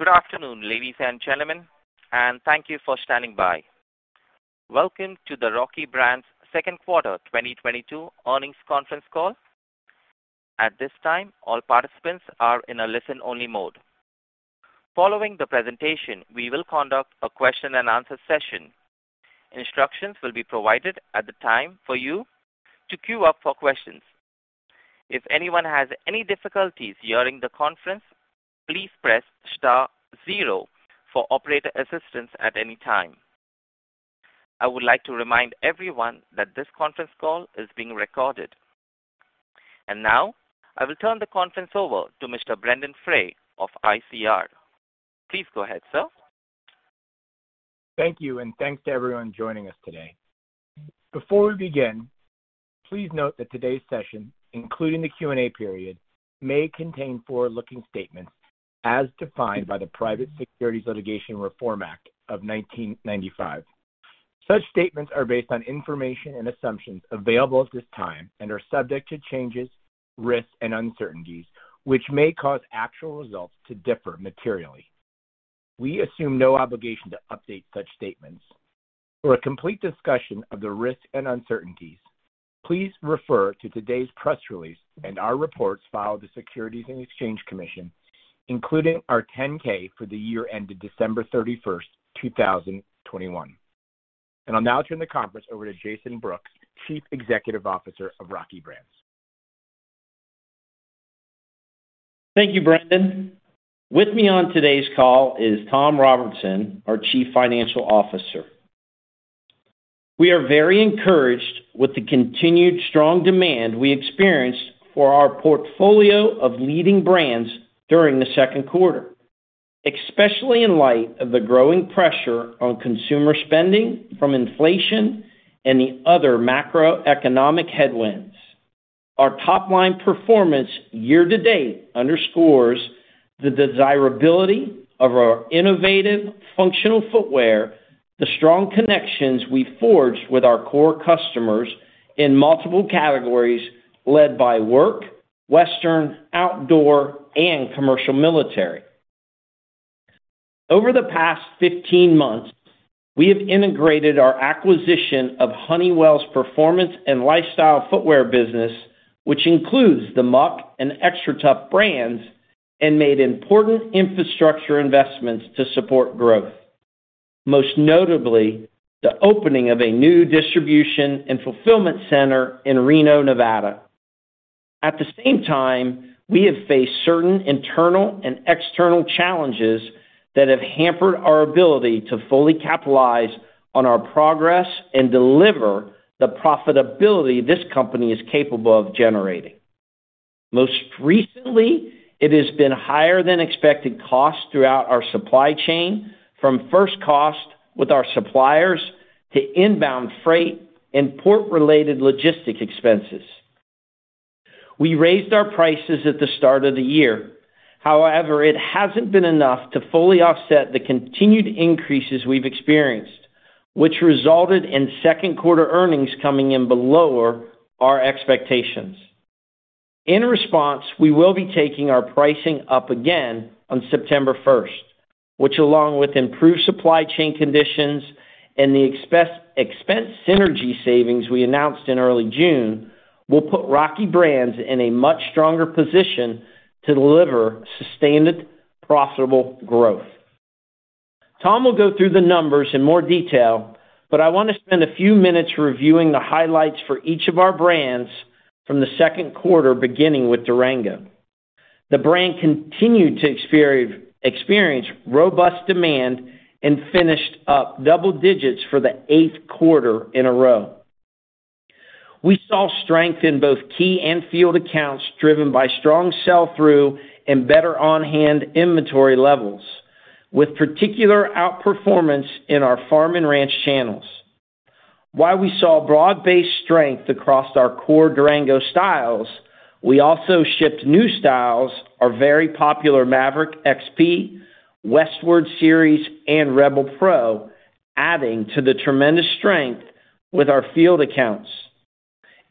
Good afternoon, ladies and gentlemen, and thank you for standing by. Welcome to the Rocky Brands second quarter 2022 earnings conference call. At this time, all participants are in a listen-only mode. Following the presentation, we will conduct a question-and-answer session. Instructions will be provided at the time for you to queue up for questions. If anyone has any difficulties during the conference, please press Star zero for operator assistance at any time. I would like to remind everyone that this conference call is being recorded. Now I will turn the conference over to Mr. Brendon Frey of ICR. Please go ahead, sir. Thank you, and thanks to everyone joining us today. Before we begin, please note that today's session, including the Q&A period, may contain forward-looking statements as defined by the Private Securities Litigation Reform Act of 1995. Such statements are based on information and assumptions available at this time and are subject to changes, risks, and uncertainties, which may cause actual results to differ materially. We assume no obligation to update such statements. For a complete discussion of the risks and uncertainties, please refer to today's press release and our reports filed with the Securities and Exchange Commission, including our 10-K for the year ended December 31, 2021. I'll now turn the conference over to Jason Brooks, Chief Executive Officer of Rocky Brands. Thank you, Brendon. With me on today's call is Thomas Robertson, our Chief Financial Officer. We are very encouraged with the continued strong demand we experienced for our portfolio of leading brands during the second quarter, especially in light of the growing pressure on consumer spending from inflation and the other macroeconomic headwinds. Our top-line performance year to date underscores the desirability of our innovative functional footwear, the strong connections we forged with our core customers in multiple categories led by work, western, outdoor, and commercial military. Over the past 15 months, we have integrated our acquisition of Honeywell's performance and lifestyle footwear business, which includes the Muck and Xtratuf brands, and made important infrastructure investments to support growth, most notably the opening of a new distribution and fulfillment center in Reno, Nevada. At the same time, we have faced certain internal and external challenges that have hampered our ability to fully capitalize on our progress and deliver the profitability this company is capable of generating. Most recently, it has been higher than expected costs throughout our supply chain, from first cost with our suppliers to inbound freight and port-related logistics expenses. We raised our prices at the start of the year. However, it hasn't been enough to fully offset the continued increases we've experienced, which resulted in second quarter earnings coming in below our expectations. In response, we will be taking our pricing up again on September first, which along with improved supply chain conditions and the expense synergy savings we announced in early June, will put Rocky Brands in a much stronger position to deliver sustained, profitable growth. Tom will go through the numbers in more detail, but I want to spend a few minutes reviewing the highlights for each of our brands from the second quarter, beginning with Durango. The brand continued to experience robust demand and finished up double digits for the eighth quarter in a row. We saw strength in both key and field accounts driven by strong sell-through and better on-hand inventory levels, with particular outperformance in our farm and ranch channels. While we saw broad-based strength across our core Durango styles, we also shipped new styles, our very popular Maverick XP, Westward series, and Rebel Pro, adding to the tremendous strength with our field accounts.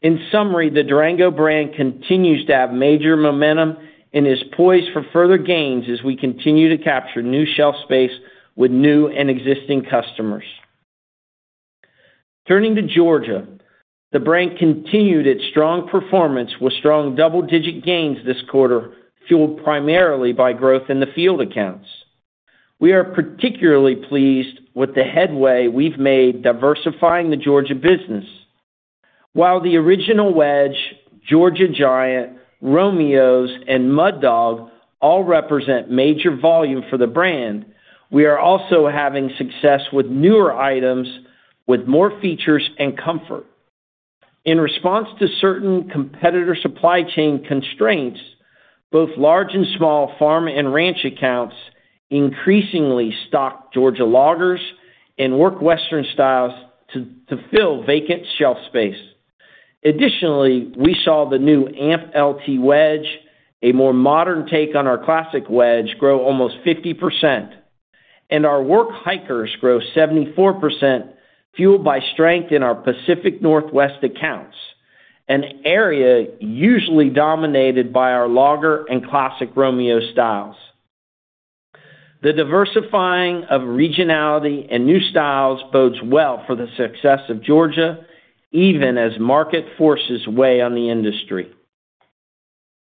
In summary, the Durango brand continues to have major momentum and is poised for further gains as we continue to capture new shelf space with new and existing customers. Turning to Georgia, the brand continued its strong performance with strong double-digit gains this quarter, fueled primarily by growth in the field accounts. We are particularly pleased with the headway we've made diversifying the Georgia business. While the original Wedge, Georgia Giant, Romeos, and Muddog all represent major volume for the brand, we are also having success with newer items with more features and comfort. In response to certain competitor supply chain constraints, both large and small farm and ranch accounts increasingly stock Georgia loggers and work western styles to fill vacant shelf space. Additionally, we saw the new AMP LT Wedge, a more modern take on our classic Wedge, grow almost 50%. Our work hikers grew 74%, fueled by strength in our Pacific Northwest accounts, an area usually dominated by our Logger and Classic Romeo styles. The diversifying of regionality and new styles bodes well for the success of Georgia, even as market forces weigh on the industry.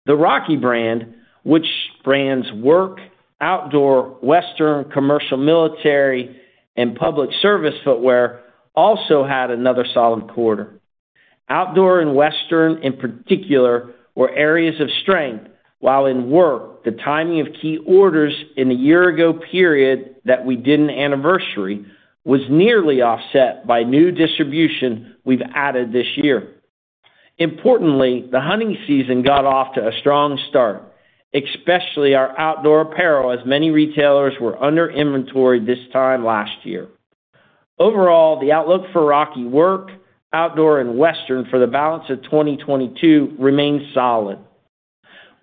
The Rocky brand, which brands work, outdoor, western, commercial, military, and public service footwear, also had another solid quarter. Outdoor and western in particular were areas of strength, while in work, the timing of key orders in the year-ago period that we did an anniversary was nearly offset by new distribution we've added this year. Importantly, the hunting season got off to a strong start, especially our outdoor apparel, as many retailers were under-inventoried this time last year. Overall, the outlook for Rocky work, outdoor, and western for the balance of 2022 remains solid.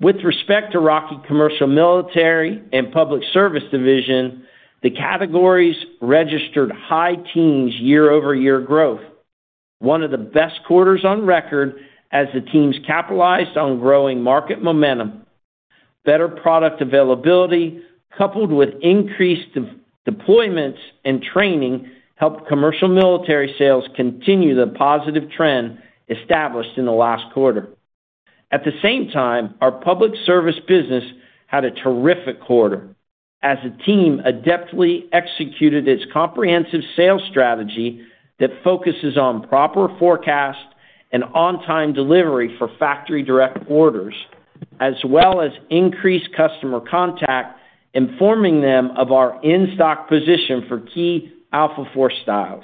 With respect to Rocky commercial, military and public service division, the categories registered high-teens% year-over-year growth, one of the best quarters on record as the teams capitalized on growing market momentum. Better product availability coupled with increased redeployments and training helped commercial military sales continue the positive trend established in the last quarter. At the same time, our public service business had a terrific quarter as the team adeptly executed its comprehensive sales strategy that focuses on proper forecast and on-time delivery for factory direct orders, as well as increased customer contact, informing them of our in-stock position for key AlphaForce styles.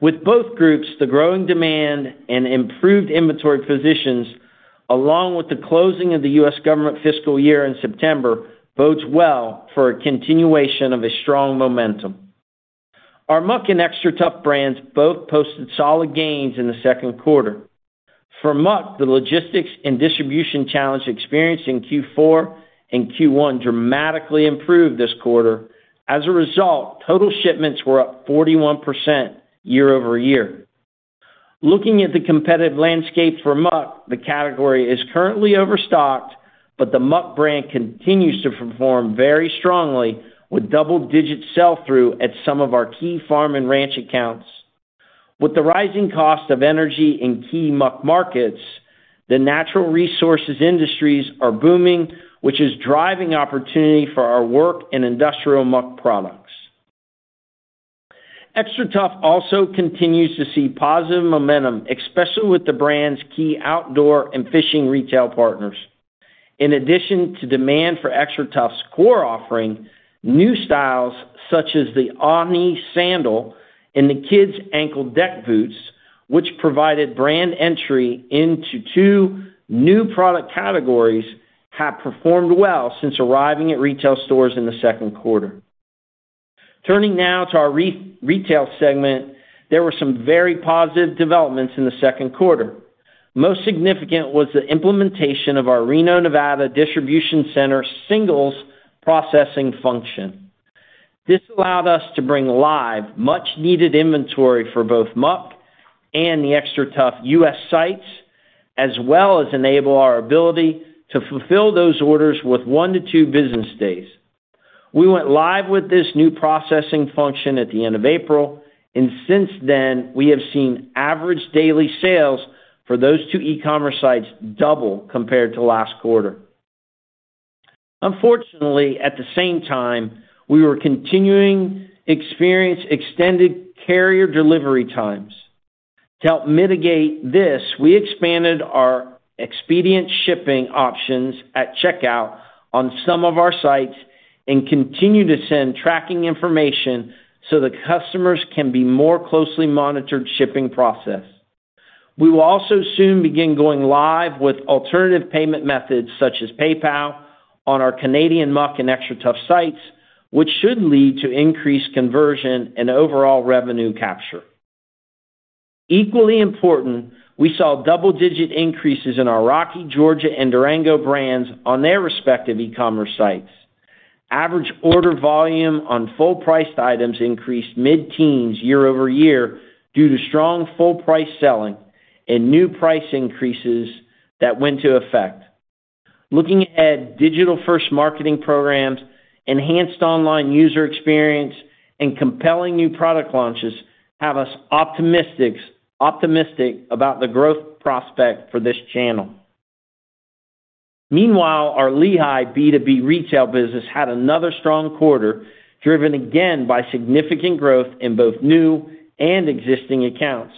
With both groups, the growing demand and improved inventory positions, along with the closing of the U.S. government fiscal year in September, bodes well for a continuation of a strong momentum. Our Muck and Xtratuf brands both posted solid gains in the second quarter. For Muck, the logistics and distribution challenge experienced in Q4 and Q1 dramatically improved this quarter. As a result, total shipments were up 41% year-over-year. Looking at the competitive landscape for Muck, the category is currently overstocked, but the Muck brand continues to perform very strongly with double-digit sell-through at some of our key farm and ranch accounts. With the rising cost of energy in key Muck markets, the natural resources industries are booming, which is driving opportunity for our work and industrial Muck products. Xtratuf also continues to see positive momentum, especially with the brand's key outdoor and fishing retail partners. In addition to demand for Xtratuf's core offering, new styles such as the Omni sandal and the kids' ankle deck boots, which provided brand entry into two new product categories, have performed well since arriving at retail stores in the second quarter. Turning now to our retail segment, there were some very positive developments in the second quarter. Most significant was the implementation of our Reno, Nevada, distribution center singles processing function. This allowed us to bring online much-needed inventory for both Muck and the Xtratuf US sites, as well as enable our ability to fulfill those orders in one-two business days. We went live with this new processing function at the end of April, and since then, we have seen average daily sales for those two e-commerce sites double compared to last quarter. Unfortunately, at the same time, we were continuing to experience extended carrier delivery times. To help mitigate this, we expanded our expedient shipping options at checkout on some of our sites and continue to send tracking information so the customers can more closely monitor the shipping process. We will also soon begin going live with alternative payment methods, such as PayPal, on our Canadian Muck and Xtratuf sites, which should lead to increased conversion and overall revenue capture. Equally important, we saw double-digit increases in our Rocky, Georgia Boot, and Durango brands on their respective e-commerce sites. Average order volume on full-priced items increased mid-teens year-over-year due to strong full price selling and new price increases that went into effect. Looking at digital-first marketing programs, enhanced online user experience, and compelling new product launches have us optimistic about the growth prospect for this channel. Meanwhile, our Lehigh B2B retail business had another strong quarter, driven again by significant growth in both new and existing accounts.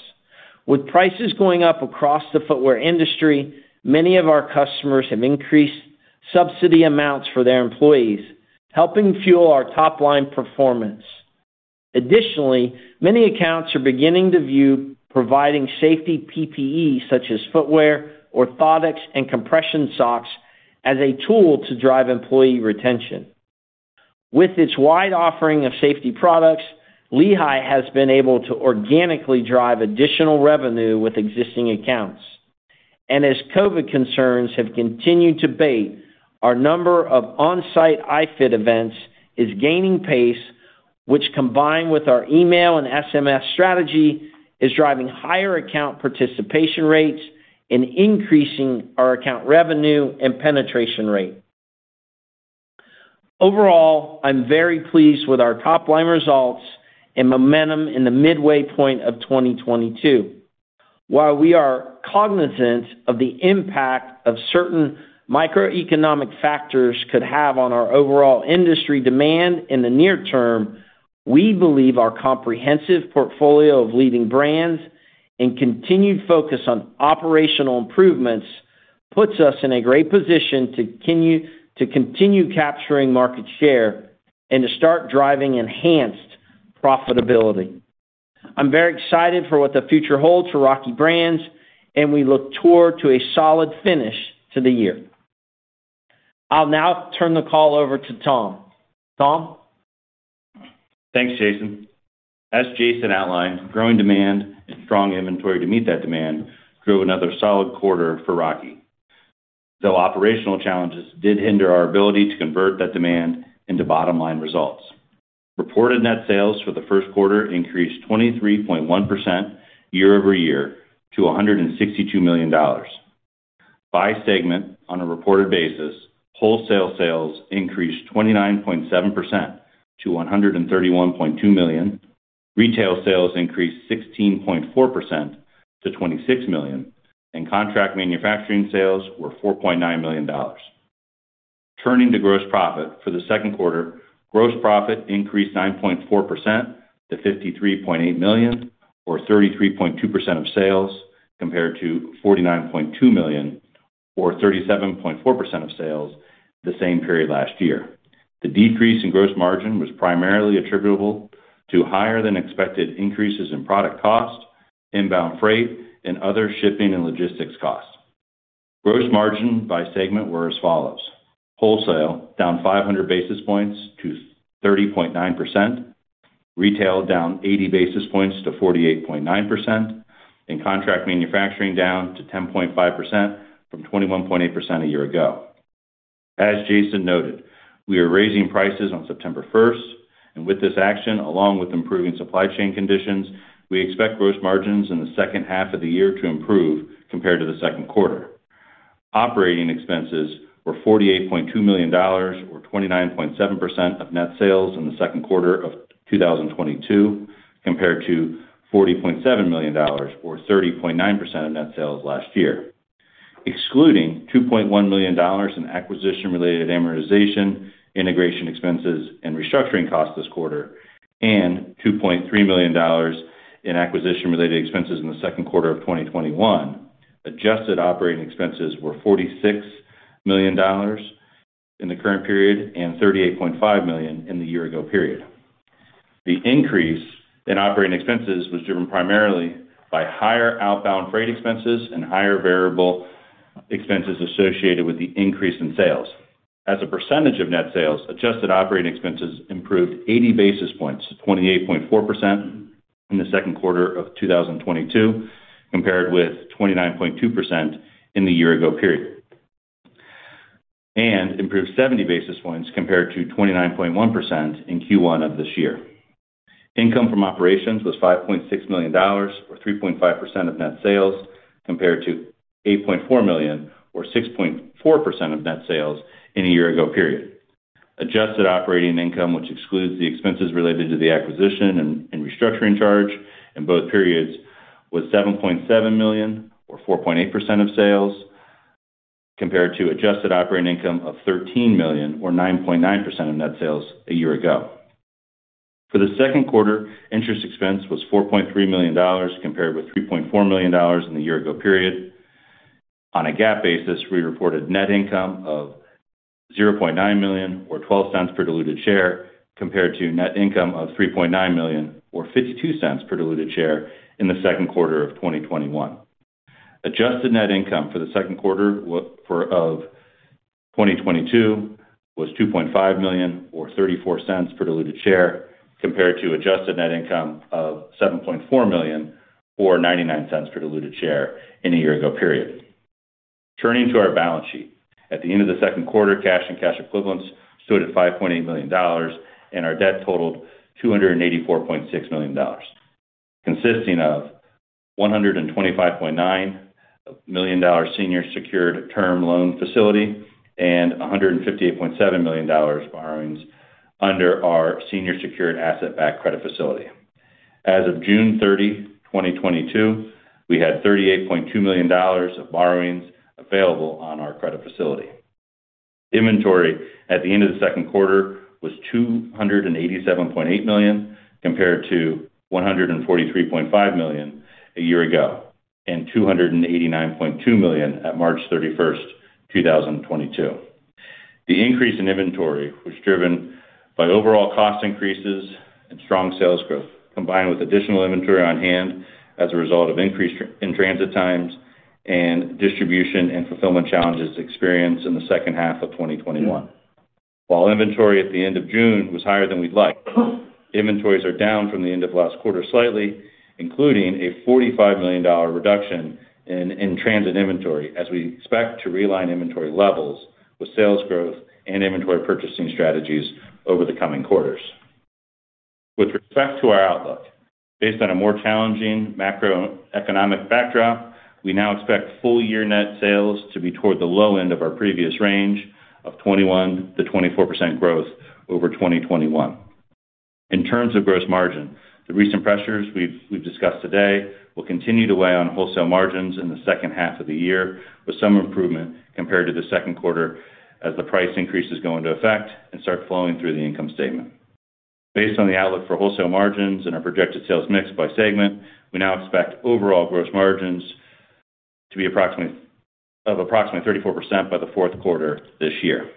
With prices going up across the footwear industry, many of our customers have increased subsidy amounts for their employees, helping fuel our top-line performance. Additionally, many accounts are beginning to view providing safety PPE such as footwear, orthotics, and compression socks as a tool to drive employee retention. With its wide offering of safety products, Lehigh has been able to organically drive additional revenue with existing accounts. As COVID concerns have continued to abate, our number of on-site iFit events is gaining pace, which combined with our email and SMS strategy, is driving higher account participation rates and increasing our account revenue and penetration rate. Overall, I'm very pleased with our top line results and momentum in the midway point of 2022. While we are cognizant of the impact of certain microeconomic factors could have on our overall industry demand in the near term, we believe our comprehensive portfolio of leading brands and continued focus on operational improvements puts us in a great position to continue capturing market share and to start driving enhanced profitability. I'm very excited for what the future holds for Rocky Brands, and we look forward to a solid finish to the year. I'll now turn the call over to Tom. Tom? Thanks, Jason. As Jason outlined, growing demand and strong inventory to meet that demand grew another solid quarter for Rocky. Though operational challenges did hinder our ability to convert that demand into bottom line results. Reported net sales for the first quarter increased 23.1% year-over-year to $162 million. By segment on a reported basis, wholesale sales increased 29.7% to $131.2 million, retail sales increased 16.4% to $26 million, and contract manufacturing sales were $4.9 million. Turning to gross profit. For the second quarter, gross profit increased 9.4% to $53.8 million or 33.2% of sales, compared to $49.2 million or 37.4% of sales the same period last year. The decrease in gross margin was primarily attributable to higher than expected increases in product cost, inbound freight, and other shipping and logistics costs. Gross margin by segment were as follows: wholesale down 500 basis points to 30.9%, retail down 80 basis points to 48.9%, and contract manufacturing down to 10.5% from 21.8% a year ago. As Jason noted, we are raising prices on September 1st, and with this action, along with improving supply chain conditions, we expect gross margins in the second half of the year to improve compared to the second quarter. Operating expenses were $48.2 million or 29.7% of net sales in the second quarter of 2022, compared to $40.7 million or 30.9% of net sales last year. Excluding $2.1 million in acquisition related amortization, integration expenses, and restructuring costs this quarter, and $2.3 million in acquisition related expenses in the second quarter of 2021, adjusted operating expenses were $46 million in the current period and $38.5 million in the year ago period. The increase in operating expenses was driven primarily by higher outbound freight expenses and higher variable expenses associated with the increase in sales. As a percentage of net sales, adjusted operating expenses improved 80 basis points to 28.4% in the second quarter of 2022, compared with 29.2% in the year ago period, and improved 70 basis points compared to 29.1% in Q1 of this year. Income from operations was $5.6 million or 3.5% of net sales, compared to $8.4 million or 6.4% of net sales in a year ago period. Adjusted operating income, which excludes the expenses related to the acquisition and restructuring charge in both periods, was $7.7 million or 4.8% of sales, compared to adjusted operating income of $13 million or 9.9% of net sales a year ago. For the second quarter, interest expense was $4.3 million compared with $3.4 million in the year ago period. On a GAAP basis, we reported net income of $0.9 million or $0.12 per diluted share, compared to net income of $3.9 million or $0.52 per diluted share in the second quarter of 2021. Adjusted net income for the second quarter of 2022 was $2.5 million or $0.34 per diluted share, compared to adjusted net income of $7.4 million or $0.99 per diluted share in the year-ago period. Turning to our balance sheet. At the end of the second quarter, cash and cash equivalents stood at $5.8 million, and our debt totaled $284.6 million, consisting of $125.9 million senior secured term loan facility and $158.7 million borrowings under our senior secured asset-backed credit facility. As of June 30, 2022, we had $38.2 million of borrowings available on our credit facility. Inventory at the end of the second quarter was $287.8 million, compared to $143.5 million a year ago, and $289.2 million at March 31, 2022. The increase in inventory was driven by overall cost increases and strong sales growth, combined with additional inventory on hand as a result of increased in transit times and distribution and fulfillment challenges experienced in the second half of 2021. While inventory at the end of June was higher than we'd like, inventories are down from the end of last quarter slightly, including a $45 million reduction in transit inventory as we expect to realign inventory levels with sales growth and inventory purchasing strategies over the coming quarters. With respect to our outlook, based on a more challenging macroeconomic backdrop, we now expect full year net sales to be toward the low end of our previous range of 21%-24% growth over 2021. In terms of gross margin, the recent pressures we've discussed today will continue to weigh on wholesale margins in the second half of the year, with some improvement compared to the second quarter as the price increases go into effect and start flowing through the income statement. Based on the outlook for wholesale margins and our projected sales mix by segment, we now expect overall gross margins to be approximately 34% by the fourth quarter this year.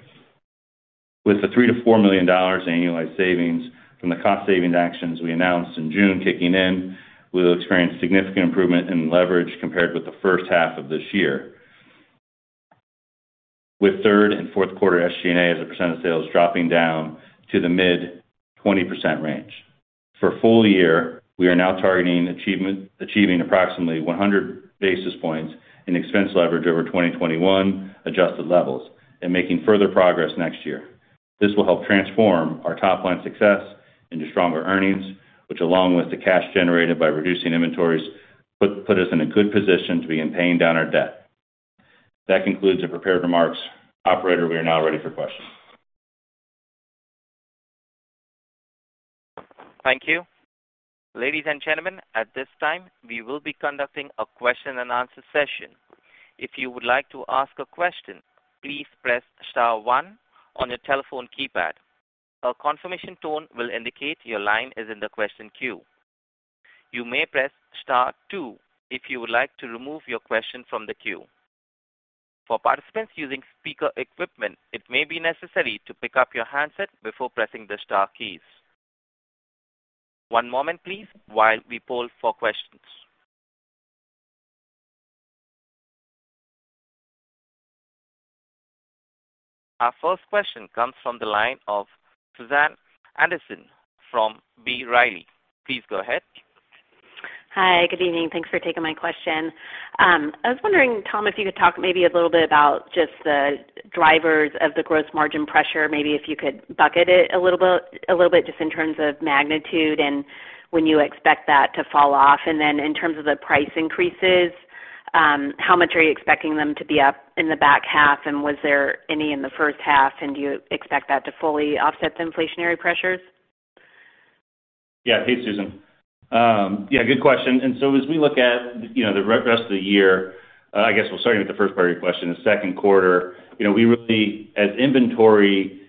With the $3-$4 million annualized savings from the cost savings actions we announced in June kicking in, we will experience significant improvement in leverage compared with the first half of this year. With third and fourth quarter SG&A as a percent of sales dropping down to the mid-20% range. For full year, we are now targeting achieving approximately 100 basis points in expense leverage over 2021 adjusted levels and making further progress next year. This will help transform our top line success into stronger earnings, which along with the cash generated by reducing inventories put us in a good position to begin paying down our debt. That concludes the prepared remarks. Operator, we are now ready for questions. Thank you. Ladies and gentlemen, at this time, we will be conducting a question and answer session. If you would like to ask a question, please press star one on your telephone keypad. A confirmation tone will indicate your line is in the question queue. You may press Star two if you would like to remove your question from the queue. For participants using speaker equipment, it may be necessary to pick up your handset before pressing the Star keys. One moment please while we poll for questions. Our first question comes from the line of Susan Anderson from B. Riley. Please go ahead. Hi. Good evening. Thanks for taking my question. I was wondering, Tom, if you could talk maybe a little bit about just the drivers of the gross margin pressure. Maybe if you could bucket it a little bit just in terms of magnitude and when you expect that to fall off. Then in terms of the price increases, how much are you expecting them to be up in the back half, and was there any in the first half, and do you expect that to fully offset the inflationary pressures? Yeah. Hey, Susan. Yeah, good question. As we look at, you know, the rest of the year, I guess we'll start with the first part of your question. The second quarter, you know, we really, as inventory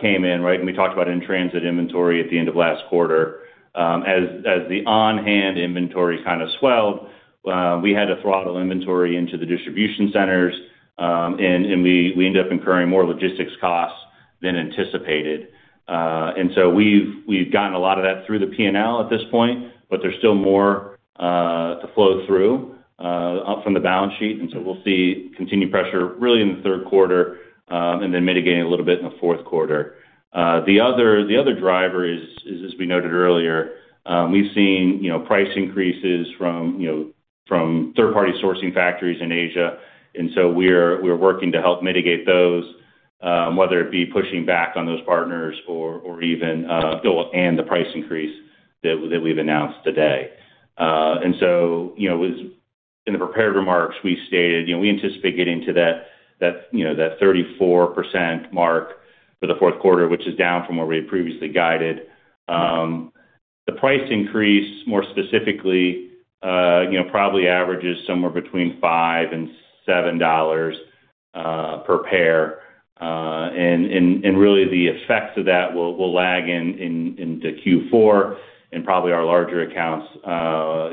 came in, right, and we talked about in-transit inventory at the end of last quarter, as the on-hand inventory kind of swelled, we had to throttle inventory into the distribution centers, and we ended up incurring more logistics costs than anticipated. We've gotten a lot of that through the P&L at this point, but there's still more to flow through from the balance sheet. We'll see continued pressure really in the third quarter, and then mitigating a little bit in the fourth quarter. The other driver is as we noted earlier, we've seen you know price increases from third-party sourcing factories in Asia, and we're working to help mitigate those, whether it be pushing back on those partners or even the price increase that we've announced today. As in the prepared remarks, we stated you know we anticipate getting to that you know that 34% mark for the fourth quarter, which is down from where we had previously guided. The price increase more specifically you know probably averages somewhere between $5 and $7 per pair. Really the effects of that will lag in the Q4 and probably our larger accounts,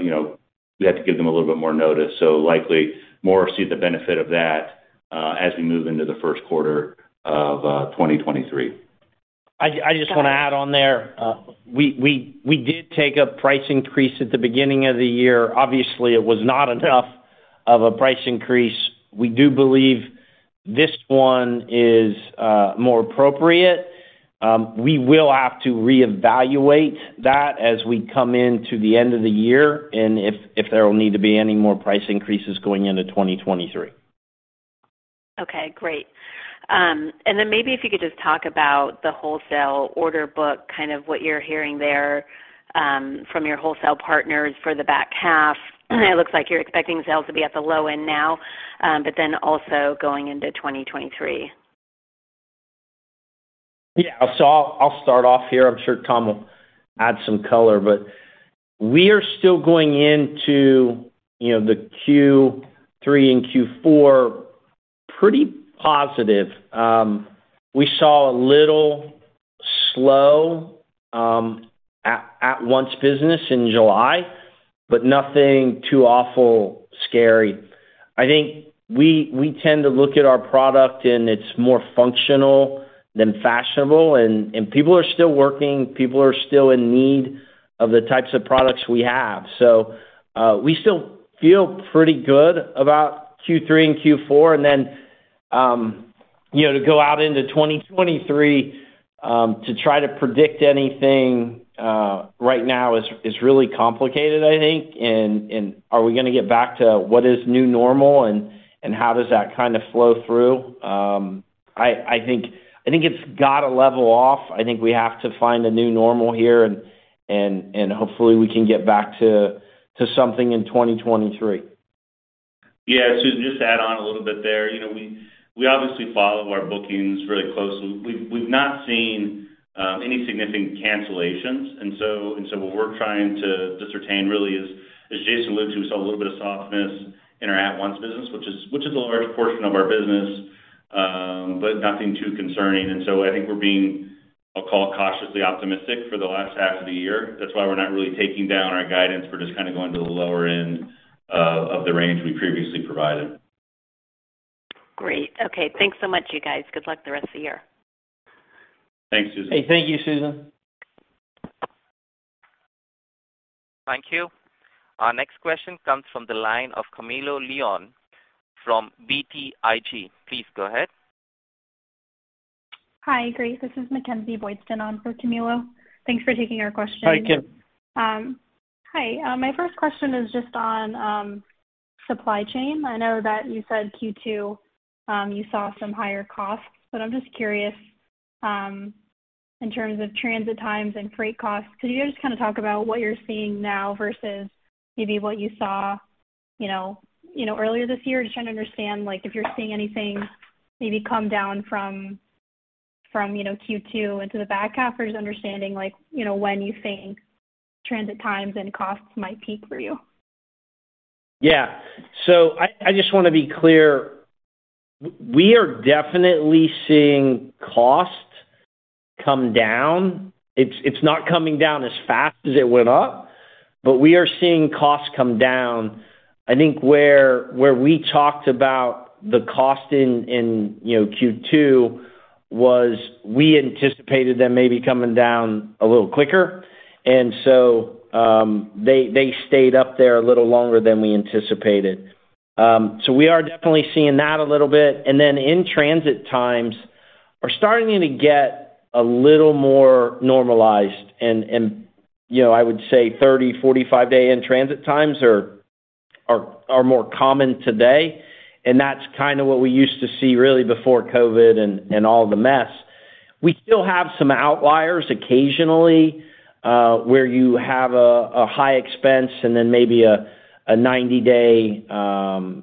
you know, we have to give them a little bit more notice. Likely more see the benefit of that as we move into the first quarter of 2023. I just wanna add on there. We did take a price increase at the beginning of the year. Obviously, it was not enough of a price increase. We do believe this one is more appropriate. We will have to reevaluate that as we come into the end of the year, and if there will need to be any more price increases going into 2023. Okay, great. Maybe if you could just talk about the wholesale order book, kind of what you're hearing there, from your wholesale partners for the back half. It looks like you're expecting sales to be at the low end now, but then also going into 2023. Yeah. I'll start off here. I'm sure Tom will add some color. We are still going into, you know, the Q3 and Q4 pretty positive. We saw a little slowdown at once business in July, but nothing too awfully scary. I think we tend to look at our product and it's more functional than fashionable. And people are still working, people are still in need of the types of products we have. We still feel pretty good about Q3 and Q4. You know, to go out into 2023, to try to predict anything right now is really complicated, I think. Are we gonna get back to what is new normal and how does that kind of flow through? I think it's gotta level off. I think we have to find a new normal here and hopefully we can get back to something in 2023. Susan, just to add on a little bit there. You know, we obviously follow our bookings really closely. We've not seen any significant cancellations, and so what we're trying to ascertain really is, as Jason said, we saw a little bit of softness in our at-once business, which is a large portion of our business, but nothing too concerning. I think we're being, I'll call it, cautiously optimistic for the last half of the year. That's why we're not really taking down our guidance. We're just kind of going to the lower end of the range we previously provided. Great. Okay. Thanks so much, you guys. Good luck the rest of the year. Thanks, Susan. Hey, thank you, Susan. Thank you. Our next question comes from the line of Camilo Lyon from BTIG. Please go ahead. Hi. Great. This is Mackenzie Boydstun on for Camilo. Thanks for taking our question. Hi, Kim. Hi. My first question is just on supply chain. I know that you said Q2 you saw some higher costs, but I'm just curious in terms of transit times and freight costs, could you just kind of talk about what you're seeing now versus maybe what you saw you know earlier this year? Just trying to understand like if you're seeing anything maybe come down from you know Q2 into the back half or just understanding like you know when you think transit times and costs might peak for you. I just wanna be clear. We are definitely seeing costs come down. It's not coming down as fast as it went up, but we are seeing costs come down. I think where we talked about the cost in you know Q2 was we anticipated them maybe coming down a little quicker. They stayed up there a little longer than we anticipated. We are definitely seeing that a little bit. In transit times are starting to get a little more normalized and you know I would say 30-45-day in-transit times are more common today, and that's kind of what we used to see really before COVID and all the mess. We still have some outliers occasionally, where you have a high expense and then maybe a 90-day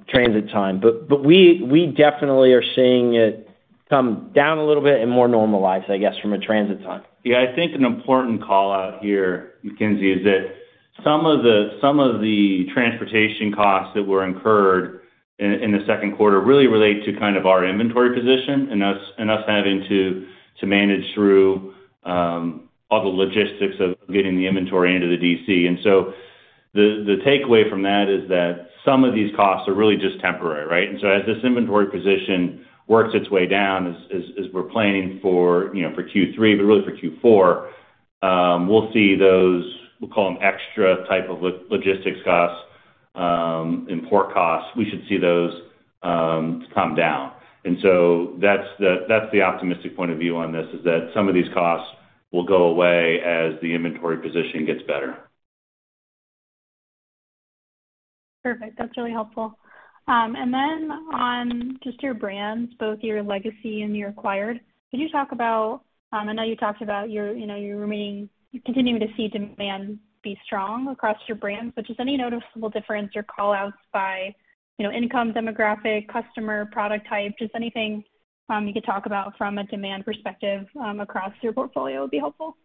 transit time. We definitely are seeing it come down a little bit and more normalized, I guess, from a transit time. Yeah. I think an important call-out here, Mackenzie, is that some of the transportation costs that were incurred in the second quarter really relate to kind of our inventory position and us having to manage through all the logistics of getting the inventory into the DC. The takeaway from that is that some of these costs are really just temporary, right? As this inventory position works its way down, as we're planning for, you know, for Q3, but really for Q4, we'll see those, we'll call them extra type of logistics costs, import costs. We should see those come down. That's the optimistic point of view on this, is that some of these costs will go away as the inventory position gets better. Perfect. That's really helpful. On just your brands, both your legacy and your acquired, could you talk about? I know you talked about your, you know, you're continuing to see demand be strong across your brands, but just any noticeable difference or callouts by, you know, income demographic, customer, product type, just anything you could talk about from a demand perspective across your portfolio would be helpful.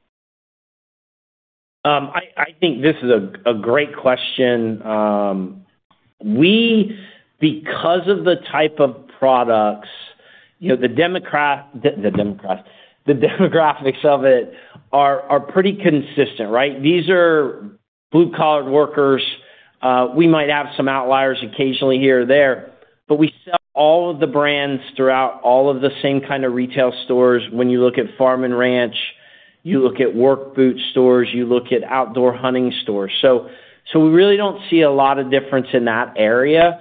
I think this is a great question. Because of the type of products, you know, the demographics of it are pretty consistent, right? These are blue-collar workers. We might have some outliers occasionally here or there, but we sell all of the brands throughout all of the same kind of retail stores, when you look at farm and ranch, you look at work boot stores, you look at outdoor hunting stores. So we really don't see a lot of difference in that area.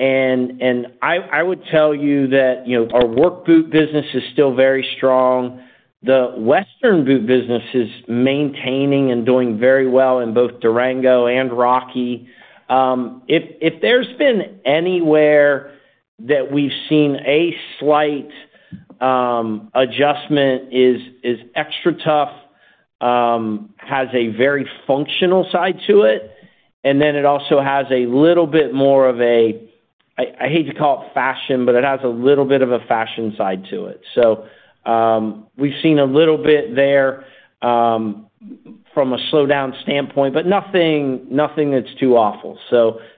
I would tell you that, you know, our work boot business is still very strong. The western boot business is maintaining and doing very well in both Durango and Rocky. If there's been anywhere that we've seen a slight adjustment, it is Xtratuf has a very functional side to it, and then it also has a little bit more of a, I hate to call it fashion, but it has a little bit of a fashion side to it. We've seen a little bit there from a slowdown standpoint, but nothing that's too awful.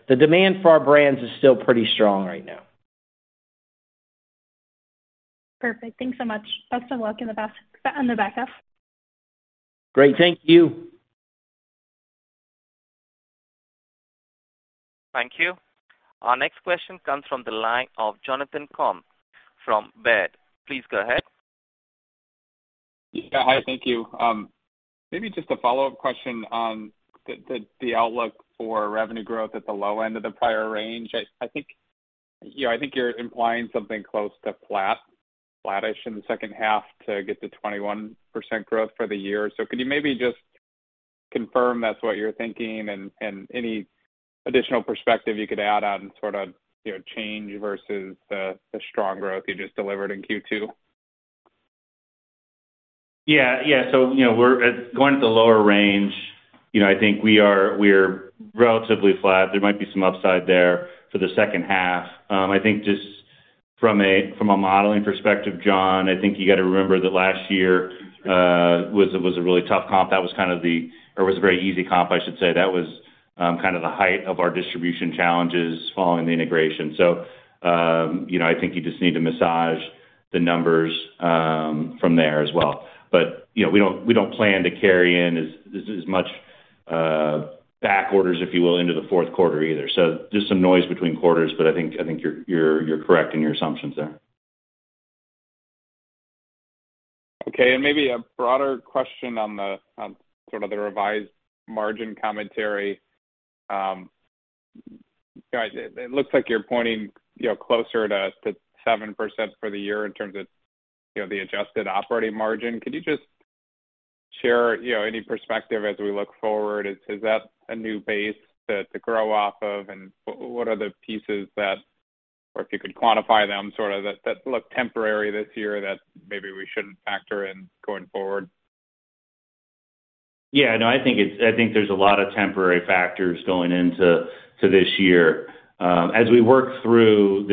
The demand for our brands is still pretty strong right now. Perfect. Thanks so much. Best of luck in the back half. Great. Thank you. Thank you. Our next question comes from the line of Jonathan Komp from Baird. Please go ahead. Yeah. Hi, thank you. Maybe just a follow-up question on the outlook for revenue growth at the low end of the prior range. I think, you know, I think you're implying something close to flat, flattish in the second half to get to 21% growth for the year. Could you maybe just confirm that's what you're thinking and any additional perspective you could add on sort of, you know, change versus the strong growth you just delivered in Q2? Yeah. You know, we're going at the lower range, you know, I think we are relatively flat. There might be some upside there for the second half. I think just from a modeling perspective, John, I think you got to remember that last year was a really tough comp. That was kind of the or was a very easy comp, I should say. That was kind of the height of our distribution challenges following the integration. You know, I think you just need to massage the numbers from there as well. You know, we don't plan to carry in as much back orders, if you will, into the fourth quarter either. Just some noise between quarters, but I think you're correct in your assumptions there. Okay. Maybe a broader question on sort of the revised margin commentary. It looks like you're pointing, you know, closer to 7% for the year in terms of, you know, the adjusted operating margin. Could you just share, you know, any perspective as we look forward? Is that a new base to grow off of? What are the pieces that, or if you could quantify them sort of that look temporary this year that maybe we shouldn't factor in going forward? Yeah. No, I think there's a lot of temporary factors going into this year. As we work through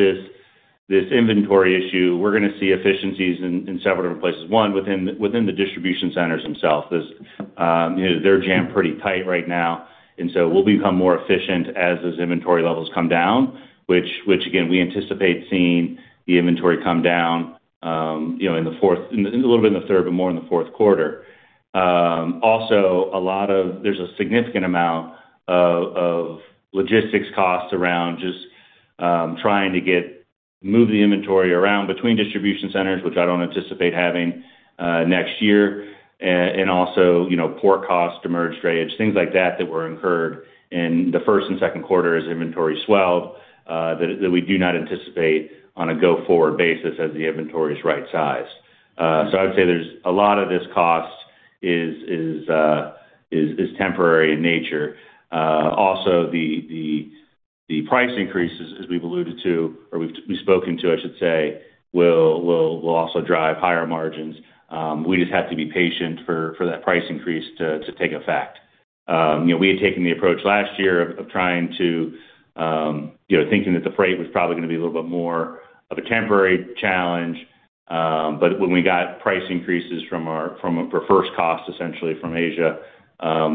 this inventory issue, we're gonna see efficiencies in several different places. One, within the distribution centers themselves. You know, they're jammed pretty tight right now, and we'll become more efficient as those inventory levels come down. Which again, we anticipate seeing the inventory come down, you know, a little bit in the third, but more in the fourth quarter. Also there's a significant amount of logistics costs around just trying to move the inventory around between distribution centers, which I don't anticipate having next year. Also, you know, port costs, demurrage, drayage, things like that that were incurred in the first and second quarter as inventory swelled, that we do not anticipate on a go-forward basis as the inventory's right-sized. I'd say there's a lot of this cost is temporary in nature. Also the price increases as we've alluded to, or we've spoken to, I should say, will also drive higher margins. We just have to be patient for that price increase to take effect. You know, we had taken the approach last year of trying to, you know, thinking that the freight was probably gonna be a little bit more of a temporary challenge. When we got price increases from Asia for first cost, essentially from Asia,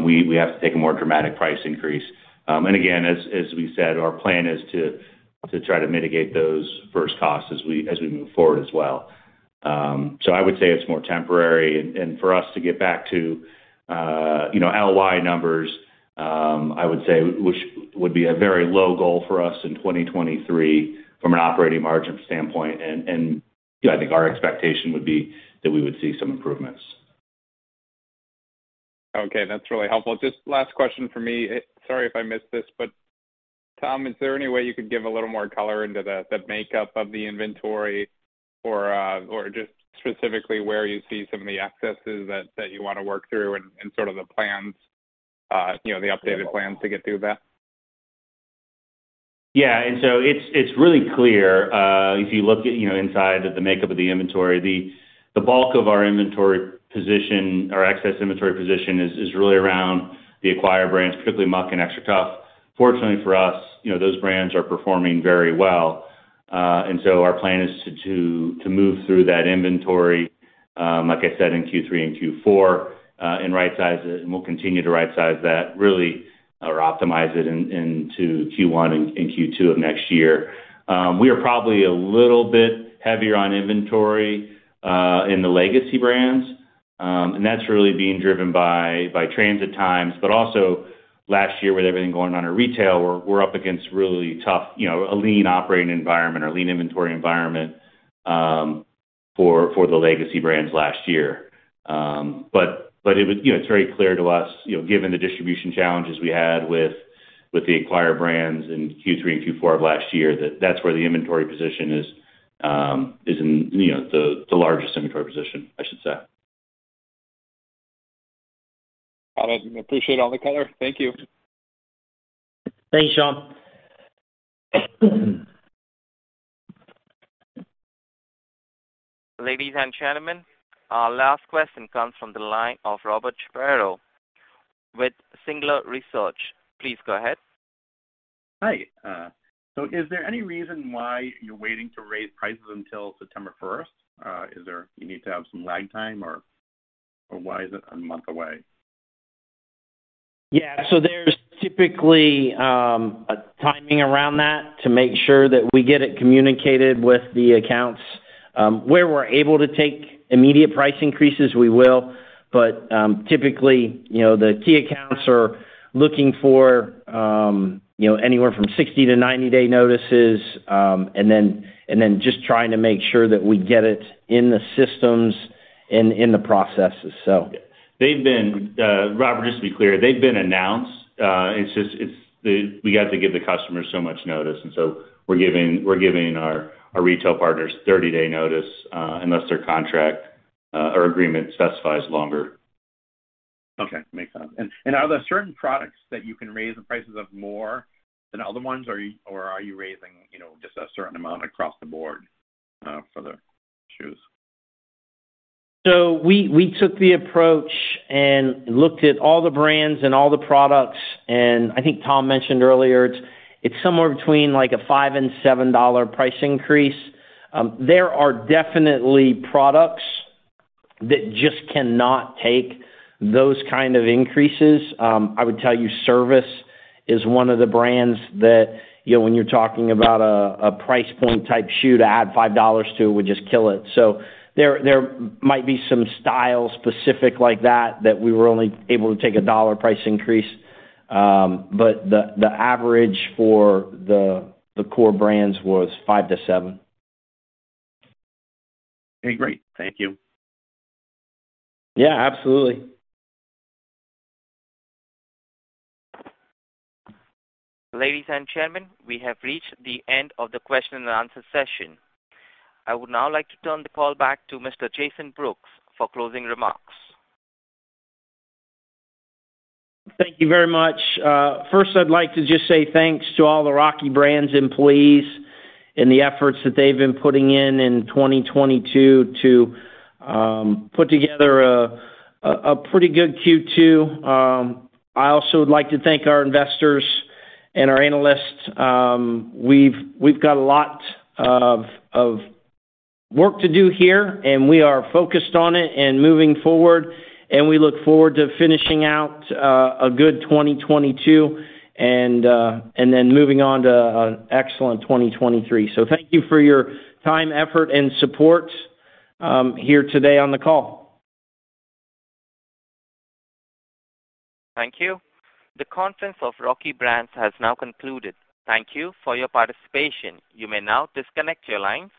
we have to take a more dramatic price increase. Again, as we said, our plan is to try to mitigate those first costs as we move forward as well. I would say it's more temporary. For us to get back to, you know, LY numbers, I would say, which would be a very low goal for us in 2023 from an operating margin standpoint. You know, I think our expectation would be that we would see some improvements. Okay. That's really helpful. Just last question from me. Sorry if I missed this, but Tom, is there any way you could give a little more color into the makeup of the inventory or just specifically where you see some of the excesses that you wanna work through and sort of the plans, you know, the updated plans to get through that? Yeah. It's really clear, if you look at, you know, inside of the makeup of the inventory. The bulk of our inventory position or excess inventory position is really around the acquired brands, particularly Muck and Xtratuf. Fortunately for us, you know, those brands are performing very well. Our plan is to move through that inventory, like I said, in Q3 and Q4, and right-size it. We'll continue to right size that really or optimize it into Q1 and Q2 of next year. We are probably a little bit heavier on inventory in the legacy brands, and that's really being driven by transit times. Also last year with everything going on in retail, we're up against really tough, you know, a lean operating environment or lean inventory environment for the legacy brands last year. It was very clear to us, you know, given the distribution challenges we had with the acquired brands in Q3 and Q4 of last year, that that's where the inventory position is in the largest inventory position, I should say. Got it. Appreciate all the color. Thank you. Thanks, John. Ladies and gentlemen, our last question comes from the line of Robert Chavarro with Singular Research. Please go ahead. Hi. Is there any reason why you're waiting to raise prices until September first? You need to have some lag time or why is it a month away? Yeah. There's typically a timing around that to make sure that we get it communicated with the accounts. Where we're able to take immediate price increases, we will. Typically, you know, the key accounts are looking for, you know, anywhere from 60-90 day notices. Then just trying to make sure that we get it in the systems. In the processes, so. Robert, just to be clear, they've been announced. It's just, we have to give the customer so much notice and so we're giving our retail partners 30-day notice, unless their contract or agreement specifies longer. Okay. Makes sense. Are there certain products that you can raise the prices of more than other ones, or are you raising, you know, just a certain amount across the board, for the shoes? We took the approach and looked at all the brands and all the products, and I think Tom mentioned earlier, it's somewhere between like a $5-$7 price increase. There are definitely products that just cannot take those kind of increases. I would tell you Servus is one of the brands that, you know, when you're talking about a price point type shoe to add $5 to, it would just kill it. There might be some style specific like that that we were only able to take a $1 price increase. But the average for the core brands was $5-$7. Okay, great. Thank you. Yeah, absolutely. Ladies and gentlemen, we have reached the end of the question and answer session. I would now like to turn the call back to Mr. Jason Brooks for closing remarks. Thank you very much. First, I'd like to just say thanks to all the Rocky Brands employees and the efforts that they've been putting in in 2022 to put together a pretty good Q2. I also would like to thank our investors and our analysts. We've got a lot of work to do here, and we are focused on it and moving forward, and we look forward to finishing out a good 2022 and then moving on to an excellent 2023. Thank you for your time, effort, and support here today on the call. Thank you. The conference of Rocky Brands has now concluded. Thank you for your participation. You may now disconnect your line.